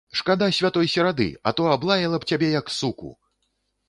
Шкада святой серады, а то аблаяла б цябе, як суку!